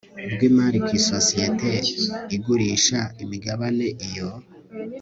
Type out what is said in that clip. rw imari ku isosiyete igurisha imigabane iyo